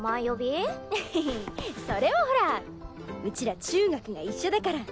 エヘヘそれはほらうちら中学が一緒だから。